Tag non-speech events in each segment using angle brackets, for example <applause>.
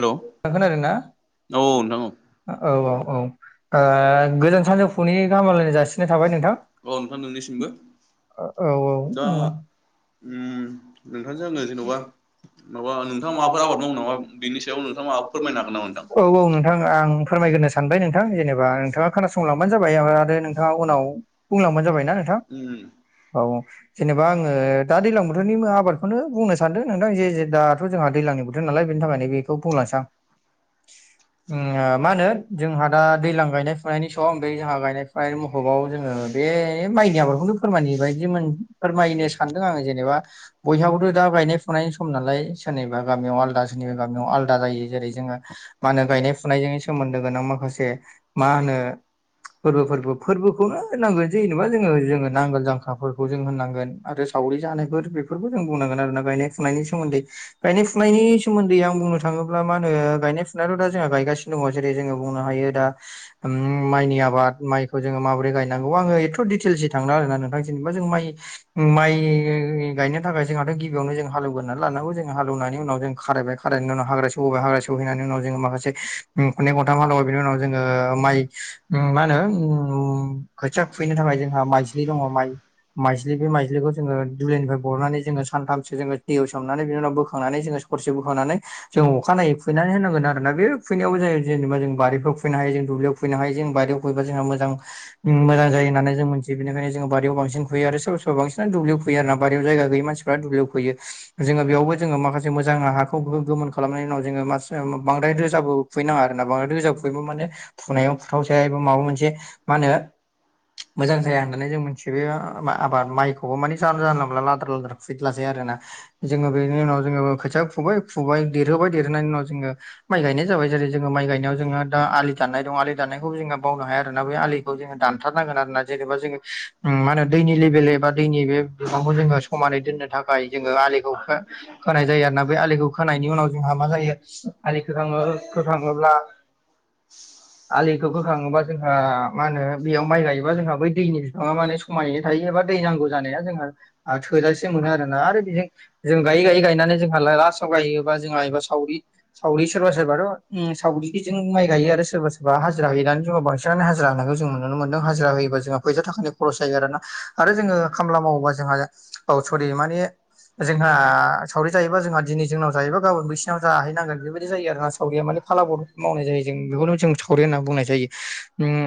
hello औ थां खोनादों ना औ नोंथां औ औ औ औ ओ गोजान सानजौफुनि गाहाम हामलायनाय जासि थाबाय नोंथां औ नोंथां नोंनिसिमबो औ दा औ उम नोंथांनो आङो जेनबा माबा नोंथाङा माबाफोर आबाद मावो नामा बेनि सायाव नोंथाङा माबाफोर फोरमायनो हागोन नामा औ नोंथां औ नोंथां आं फोरमायग्रो सानबाय नोंथां जेनेबा नोंथाङा खोनासंलांबानो जाबाय आरो नों थाङा उनाव बुंलांबानो जाबाय ना नोंथां उम औ जेनेबा आङो दा दैलां बोथोरनि आबादखौनो बुंनो सानदों नोंथां जे जे दाथ' जोंहा दैज्लांनि बोथोर नालाय बेनि थाखायनो बेखौ बुंलांसां <inaudible> मा होनो जोंहा दा दैज्लां गायनाय फुनायनि सम जोंहा गायनाय फुनायनि मु अभबाव जोङो बे माइनि आबादखौनो फोरमायनाय बायदि फोरमायनो सानदों आङो जेनेबा बयहाबोथ' दा गायनाय फुनायनि सम नालाय सोरनिबा गामियाव आलदा सोरनिबा गामियाव आलदा जायो जेरै जोङो मा होनो गायनाय फुनायजों सोमोन्दो गोनां माखासे मा होनो फोरबो फोरबो फोरबोखौनो होनांगोन जेनेबा जोङो जोङो नांगोल जांखाफोरखौ जों होननांगोन आरो सावरि जानायफोर बेफोरबो जों बुंनांगोन आरोना गायनाय फुनायनि सोमोन्दै गायनाय फुनायनि सोमोन्दै आं बुंनो थाङोब्ला मा होनो गायनाय फुनायाथ' दा जोंहा गायासिनो द जेरै जोङो बुंनो हायो दा माइनि आबाद माइखौ जोङो माबोरै गायनांगौ आङो एथ' दिटेलसै थांला आरोना नोंथां जेनबा जों माइ माइ गायनो थाखाय जोंहाथ' गिबियावनो जों हालौ गोरनानै लानांगौ जों हालौनानै उनाव जों खारायबाय खारनायनि उनाव जों हा बिनि उनावहा सहैनानै जों माखासे <unintelligible> हालवबाय बेनि उनाव जोङो माइ मा होनो खोथिया खुबैनो थाखाय जोंहा माइजलि दङ माइ माइज्लि बे माइस्लिखौ जोङो दुलिनिफ्राय बरनानै जोङो सानथामसो जोङो दैयाव सोमनानै बिनि उनाव बोखांनानै जो सरसे बोखांनानै जोङो अखानायनायै फैनानै होनांगोन आरोना बे फैनायावबो जायो जेनेबा जों बारिफ्राव फैनो हायो जों दुब्लियाव फैनो हायो जों बारियाव फैबा जोंहा मोजां मोजां जायो होननानै जों मिथियो बेखायनो बोरियाव बांसिन खैयो आरो सोराांसि दुब्लि खुबैनायाव जायगा गैया मानसि दुबलि फैयो जोङो बेयावबो जोङो माखासे हाखौ गोमोन खालामनायनि उनाव जोङो मासे बांद्राय रोजाबो फैनाङाना बां बयबो माने फुनायाव फुथावसै एबा माबा मोनसे मा होनो मोजां जाया होननानै जों मोनथियो बे आबाद माइखौबो माने जान जाहांला लाद्रा लाद्रा खुबैदलासै आरोना जोङो बेनि उनाव जोङो खोथिया फुबाय फुबाय देरहोबाय देरहोनायनि उनाव जोङो माइ गायनाय जाबाय जेरै जोङो माइ गायनायाव जोंहा दा आलि दाननाय दं आलि दाननायखौबो जोङो बावनो हाया आरोना बे आलि दंथारनांगोन आरोना जेनेबा जाहोननि लेबेल एबा दैनि बे बिबांखौ समानै दोननो थाखाय जोङो आलिखौ खोनाय जायो आरोोना बे आलिखौ खोनायनि उनाव जोंहा मा जायो आरिनोथाङोब्ला <inaudible> आलिखौ होखाङोबा जोंहा मा होनो बेयाव माइ गायोबा जोंहा बै दैनि बिफाङा माने समायनो थायो एबा दै नांगौ जानाया जोंहा थोजासे मोनो आरोना आरो बेजों जों गायै गायै गायनानै जोंहा लास्टआव गायोबा जोंहा एबा सावरि सावरि सोरबा सोरबाथ' सावरिजों माइ गायो आरो सोरबा सोरबा हाजिरा हैनानै जों बांसिन बेसांनानै हाजिरा होनाय जों नुनो मोनदों हाजिरा होयोबा जोंहा फैसा थाखानि खरस जायो आरोना आरो जोङो खामला मावोबा जोंहा औ सरि माने जोंहा सावरि जायोबा जोंहा दिनै जोंनाव जायोबा गाबोन बैसिनाव जाहैनांगोन बेबायदि जायो आरो सावरिया माने फाला बर मावनाय जायो जों बेखौनो जों सावरि होननानै बुंनाय जायो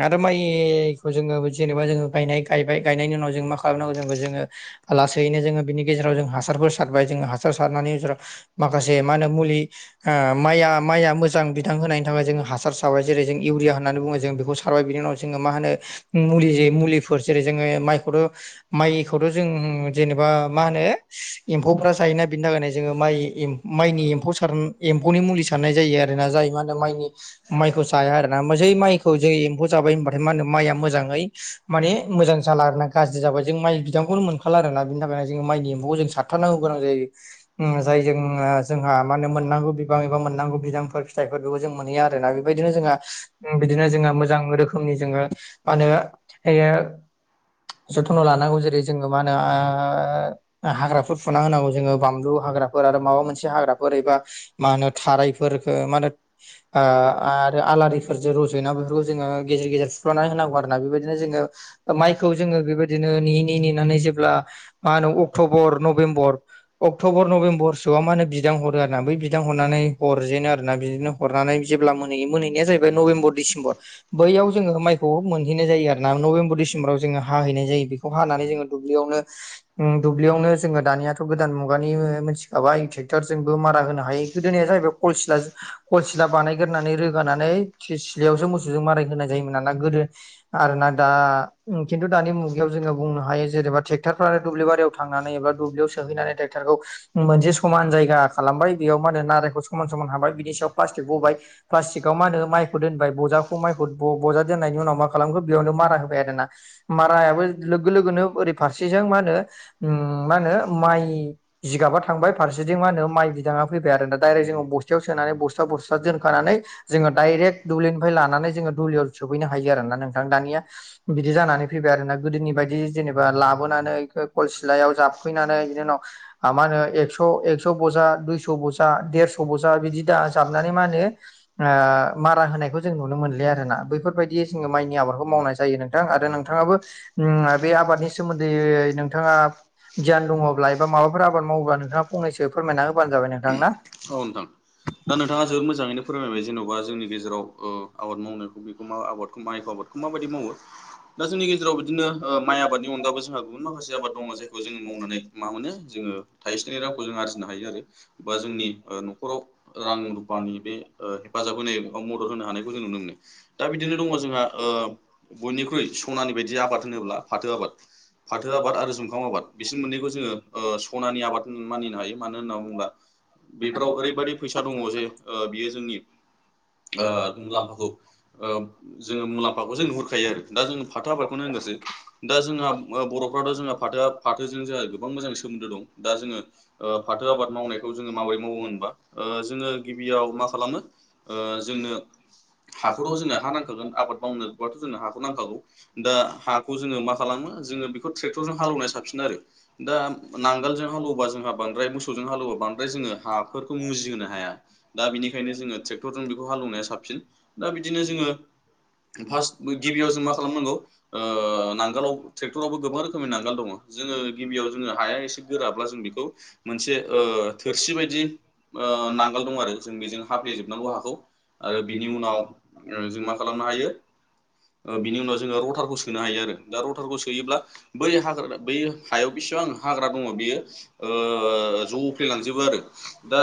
आरो माइखौ जोङो जेनेबा जोङो गायनाय गायबाय गायनायनि उनाव जों मा खालामनांगौ जोंखौ जोङो लासैनो जोङो बिनि गेजेराव जों हासारफोर सारबाय जोङो हासार सारनानै जाव माखासे मा होनो मुलि माइआ माइआ मोजां बिदां होनायनि थाखाय जों हासार सावाय जेरै जों इउरिया होननानै बुङो जों बेखौ साव खारबाय बिनि उनाव जोङो मा होनो मुलि मुलिफोर जेरै जोङो माइखौथ' माइखौथ' जों जेनेबा मा होनो एम्फौफ्रा जायोना बेनि थाखायनो जोङो माइ माइनि एम्फौ एम्फौनि मुलि साननाय जायो आरोना जाय मा होनो माइनि माइखौ जाया आरोना जै माइखौ जों एम्फौ जाबाय होनबाथाय मा होनो माइआ मोजाङै माने मोजां जाला आरोना गाज्रि जाबाय जों माइ बिदांखौनो मोनखाला आरोना बिनि थाखायनो जों माइनि नखौ जोंनो नांगौ गोनां जायो जायजों जोंहा मा होने मोननांगौ बिबां एबा मोननांगौ बिबांफोर फिथाइफोर जों मोनहैयो आरोना बेबायदिनो जोंङो बिदिनो जोङो मोजां रोखोमनि जोङो मा होनो लानांगौ जेरै जोङो मा होनो हाग्राफोर फुना होनांगौ जोङो बानलु हाग्राफोर आरो माबा मोनसे हाग्राफोर एबा मा होनो थारायफोरफोरखौ मा होनो आरो आलारिफोरजों रज'यो ना बेफोरखौ जोङो गेजेर गेजेर सुफ्लनानै होनांगौ आरो ना बेबायदिनो जोङो माइखौ जोङो बेबायदिनो नेयै नि नेनानै जेब्ला मा होनो आरो अक्ट'बर नभेम्बर अक्ट'बर नभेमबरसोआ माे बिदां हरो आरोना बै बिदां हरनानै हरजेनो आरोना बिदिनो अरनानै जेब्ला मोनहै मोनहैनाय जाहैबाय नभेम्बर डिसेम्बर बैयाव जोङो माइखौ मोनहैनाय जायो आरोना नभेम्बर डिसेम्बराव जोङो हाहैनाय जायो बेखौ अ हानानै जोङो दुब्लियावनो उम दुब्लियावनो जोङो दानियाथ' गोदान मुगानि मोनथिखाबाय ट्रेक्टरजोंबो मारा होनो हायो गोदोनिया जाहैबाय कलसिला कलसिला बानायग्रोनानै रोगानानै सिलायावसो मोसौजों मारा होनाय जायोमोन ना गोदो आरो ना दा खिन्थु दानि मुगायाव जोनो हायो जेनबा ट्रेक्टर आरो दुब्लि बारियाव थांनानै एबा दुब्लियाव सोहैनानै ट्रेक्टरखौ मोनसे समान जायगा खालामबाय बेयाव मा होनो नारेंखौ समान समान हाबाय बिनि सायाव प्लास्टिक बबाय प्लास्टिकआव मा होनो माइखौ दोनबाय बजाखौ माइखौ बजा दोननायनि उनाव मा खालामखो बेयावनो मारा होबाय आरोोना मारायाबो लोगो लोगोनो ओरै फारसेजों मा होनो मा होनो माइ जिगाबा थांबाय फारसेथिं मा होनो माइ बिदाङा फैबाय आरो ना दाइरेक्ट जोङो बस खाथियाव सोनानै बसथा बसथा दोनखानानै जोङो दडाइरेक्ट दुब्लिनिफ्राय लानानै जोङो दुलियाव सफैनो हायो आरो ना नोंथां दानिया बिदि जानानै फैबाय आरो ना गोदोनि बायदि जेनेबा लाबोनानै ल सिलायाव जाबफैनानै बिनि उनाव मा होनो एकस' एकस' बजा दुइस' बजा देरस' सब'जा बिदि दा जाबनानै मा होनो ओ मारा होनायखौ जों नुनो मोनलिया आरोना बैफोर बायदि जों माइनि आबादखौ मावनाय जायो नोंथां आरो नोंथाङाब बे आबादनि सोमोन्दै नोंथाङा गियान दङब्ला एबा माबाफोर आबाद मावोब्ला नोंथाङा फंनैसो फोरमायना होबानो जाबाय नोंथां ना औ नोंथां दा नोंथाङा जोबोद मोजाङैनो फोरमायबाय जेन'बा जोंनि गेजेराव ओ आबाद मावनायखौ बेखौ मा आबादखौ मा एफ आबादखौ माबायदि मावो दा जोंनि गेजेराव बिदिनो ओ माइ आबादनि अनगाबबो जोंहा गुबुन माखासे आबाद दङ जाय खौ जोङो मावनानै मा मोनो जोङो थाइसे थायनै रांखौ जों आरजिनो हायो आरो बा जोंनि न'खराव रां रुफानि बे ओ हेफाजाब होनाय मदद होनो हानायखौ जों नुनो मोनो दा बिदिनो दङ जोंहा ओ बयनिख्रुइ सनानि बायदि आबाद होनोब्ला फाथो आबाद फाथो आबाद आरो जुंखाम आबाद बिसोर मोननैखौ जोङो सनानि आबाद मानिनो हायो मानो होनना बुङोब्ला बेफोराव ओरैबायदि फैसा दङ जे ओ बियो जोंनि ओ मुलाम्फाखौ ओ जोङो मुलाम्फाखौसो नुहुरखायो आरो दा जोङ फाथो आबादखौनो होनगासो दा जोंहा बर'फ्राथ' जोंहा फाथोआ फाथोजों जोंहा गोबां मजां सोमोन्दो दं दा जोङो ओ फाथो आबाद मावनायखौ जोङो माबोरै मावो होनबा ओ जोङो गिबियाव मा खालामो ओ जोंनो हाखौथ' जोंङो हा नांखागोन आबाद मावनोबथ' जोंनो हाखौ नांखागौ दा हाखौ जोङो मा खालामो जोङो ट्रेक्रजों हालौनाय साबसिन आरो दा नांगोलजों हालौबा जोंहा बांद्राय मोसौजों हालौबा बांद्राय जोङो हाफोरखौ मुजिहोनो हाया दा बिनिखायनो जोङो ट्रेक्टरजों बेखौ हालेवनाया साबसिन दा बिदिनो जोङो फार्स्ट गिबियाव जों मा खालामनांगौ ओ नांगालाव ट्रेक्टरावबो गोबां रोखोमनि नांगोल दङ जोङो गिबियाव जोङो हाया एसे गोराब्ला जों बेखौ मोनसे ओ थोरसि बायदि ओ नांगाल दं आरो जों बेजों हाफ्लेेजोबनांगौ हाखौ आरो बिनि उनाव जों मा खालामनो हायो ओ बिनि उनाव जोङो रटारखौ सोनो हायो आरो दा रटारखौ सोयोब्ला बै बोरै हाग्रा बै हायाव बेसिबां हाग्रा दङ बेयो जफ्लेलांजोबो आरो दा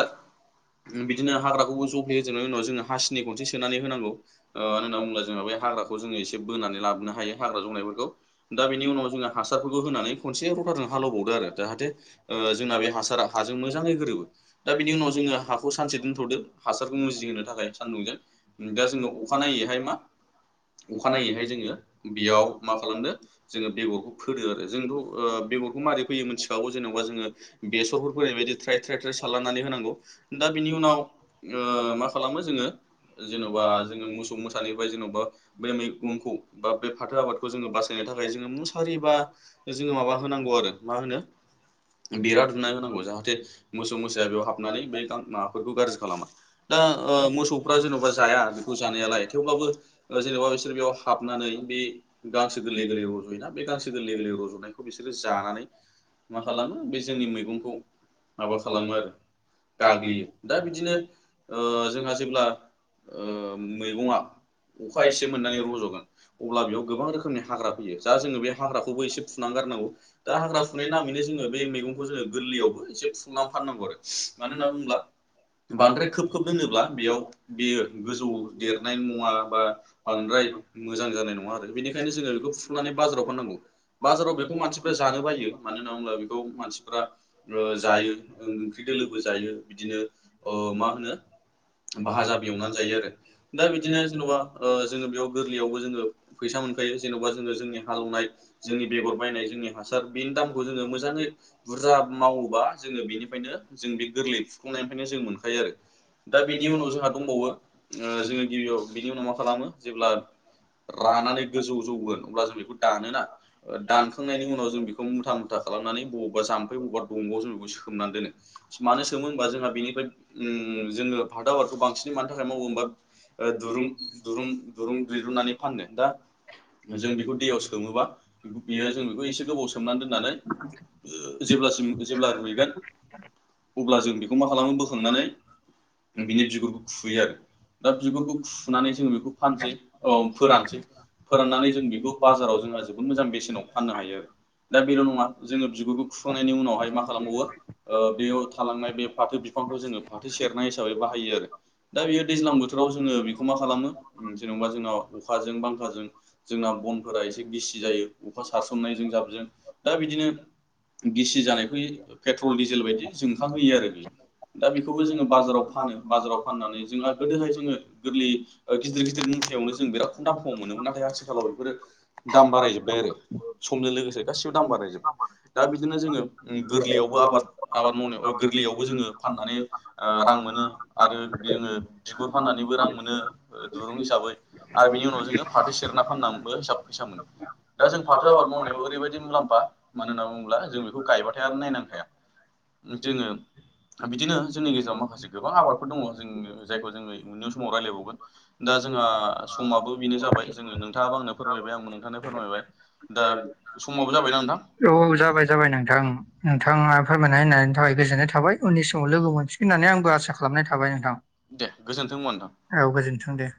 बिदिनो हाग्राखौबो जफ्ल होजोबनायनि उनाव जोङो हासिनि खनसे सोनानै होनांगौ मानो होन्ना बुोब्ला जोंहा बे हाग्राखौ जोसे बोनानै लाबोनो हायो हाग्रा जंनायफोरखौ दा बेनि उनाव ज <inaudible> होनानै खनसे रथाजों हालेवबावदो आरो जाहाथे ओ जोंना बे हासारा हाजों मोजाङै गोरोबो दा बिनि उनाव जोङो हाखौ सानसे दोनथ'दो हासारखौ मुजिहोनो थाखाय सान्दुंजों दा जोङो अखानायनायैहाय मा अखानायैहाय जोङो बेयाव मा खालामदो जोङो बेगरखौ फोदो आरो जोंथ' बेगरखौ माबारै फैयो मिथिखागौ जेनेबा जोङो बेसरफोर फैनाय बायदि थ्राय थ्राय थ्राय सारलनानै होनांगौ दा बिनि ओ उनाव मा खालामो जोङो जेन'बा जोङो मोसौ मोसानिफ्राय जेन'बा बे मैगंखौ बा बे फाथो आबादखौ जोङो बासायनो थाखाय जोङो मुसारिबा जोङो माबा होनांगौ आरो मा होनो बेरा दुमना होनांगौ जाहाथे मोसौ मोसाया बेयाव हाबनानै बे गां माबाफोरखौ गाज्रि खालामा दा मोसौफ्रा जेन'बा जाया बेखौ जानायालाय थेवब्लाबो जेनेबा बिसोर बेयाव हाबनानै बे गांसे गोरलै गलै रजयना बेांसे गलै गै रज रजनायखौ बिसोरो जानानै मा खालामो बे जोंनि मैगंखौ माबा खालामो आरो गाग्लियो दा बिदिनो जोंहा जेब्ला ओ मैगङा अखा एसे मोननानै रजगोन अब्ला बेयाव गोबां रोखोमनि हाग्रा फैयो जा जोङो बे हाग्राखौबो एसे फुनानै गारनांगौ दा हाग्रा फुनाय नामैनो जोङो बे मैगंखौ जोङो गोरलैयावबो एसे फुनानै फाननांगौ आरो मटनो होनना बुङोब्ला बांद्राय खोब खोब दोरोब्ला बेयाव <unintelligible> गोजौआव देरनाय नङाबा बांद्राय मोजां जानाय नङा बेनिखायनो जोङो बेखौ फुनानै बाजाराव फाननांगौ बाजाराव बेखौ मानसिफ्रा जानो बायो मानो होनना बुङोब्ला बेखौ मानसिफ्रा जायो ओंख्रि दोलोबो जायो बिदिनो मा होनो भाजाबो जवनानै जायो आरो दा बिदिनो जेनबा जोङो बेयाव गोरलैयावबो जोङो फैसा मोनखायो जेनबा जोङो जोंनि हालेवनाय जोंनि बेगर बायनाय जोंनि हासार बेनि दामखौ जोङो मोजाङै बुरजा मावोबा जोङो बेनिफ्रायनो जों बे गोरलै फुखांनायनिफ्रायनो जों मोनखायो आरो दा बिनि उनाव जोंहा दंबावो जोङो गिबियाव बिनि उनाव मा खालामो जेब्ला रानानै गोजौ जौगोन अब्ला जों बेखौ दानोना दानखांनायनि उनाव जों बेखौ मुथा मुथा खालामनानै बबावबा जामफै बबेबा दंगआव जों बेखौ सोमनानै दोनो मानो सोमो होनबा जोंहा बेनिफ्राय ओ जोङो फानथाव आबादखौ बांसिन मानि थाखाय मावो होमबा ओ दुरुं दुरुं दुरुं दिरुंनानै फाननो दा जों बेखौ दैयाव सोमोबा बेयो जों बेखौ एसे गोबाव सोमनानै दोननानै जेब्लासिम जेब्ला रुइगोन अब्ला जों बेखौ मा खालामो बोखांनानै बिनि बिगुरखौ खुयो आरो दा बिगुरखौ खुनानै जोङो बेखौ फानसै औ फोरानसै फोराननानै जों बेखौ बाजाराव जोंहा जोबो मोजां बेसेनाव फाननो हायो आरो दा बेल नङा जोङो बिगुरखौ खुखांनायनि उनावहाय मा खालामबावो बेयाव थालांनाय बे फाथो बिफांखौ जोङो फाथो सेरनाय हिसाबै बाहायो आरो दा बेयो दैज्लां बोथोराव जोङो बेखौ मा खालामो जेनबा जोंना अखाजों बांखाजों जोंना बनफोरा एसे गिसि जायो अखा सारसननायजों जाबजों दा बिदिनो गिसि जानायखौ पेट्रल डिजेल बायदि जोंखांहोयो आरो बेयो दा बेखौबो जोङो बाजाराव फानो बाजाराव फाननानै जोंहा गोदोहाय जोङो गोरलै गिदिर गिदिर मुंथायावनो जों बिराद खम दाम खमाव‌ मोनोमोन नाथाय आथिखालाव बेफोरो दाम बारायजोबबाय आरो समजों लोगोसे गासिबो दाम बारायजोबबाय दा बिदिनो जोङो गोरलैयावबो आबाद आबाद मावनायाव अ गोरलैयावबो जोङो फाननानै ओ रां मोनो आरो जोङो बिगुर फाननानैबो रां मोनो दुरुं हिसाबै आरो बिनि उनाव जोङो फाथो सेरना फाननानैबो हिसाब फैसा मोनो दा जों फाथो आबाद मावनायाव ओरैबायदि मुलामफा मानो होनना बुङोब्ला जों बेखौ गायबाथाय आरो नायनांखाया जोङो बिदिनो जोंनि गेजेराव माखासे गोबां आबादफोर दङ जोङो जायखौ जोङो इयुननि समाव रायज्लायबावगोन दा जोंहा समाबो बेनो जाबाय जोङो नोंथाङाबो आंनो फोरमायबाय आंबो नोंथांनो फोरमायबाय दा समाबो जाबायना नोंथां औ जाबाय जाबाय नोंथां नोंथाङा फोरमायनाय होननायनि थाखाय गोजोननाय थाबाय उननि समाव लोगो मोनफि गोन होननानै आंबो आसा खालामनाय थाबाय नोंथां दे गोजोन्थों होनबा नोंथां औ गोजोनथों दे